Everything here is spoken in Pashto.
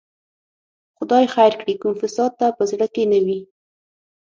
خدای خیر کړي، کوم فساد ته په زړه کې نه وي.